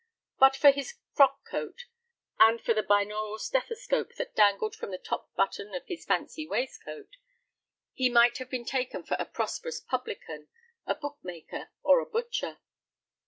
But for his frock coat, and for the binoral stethoscope that dangled from the top button of his fancy waistcoat, he might have been taken for a prosperous publican, a bookmaker, or a butcher.